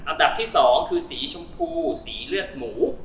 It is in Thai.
อันดับที่๒คือสีชมพูสีเลือดหมู